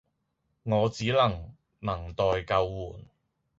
我只能能待救援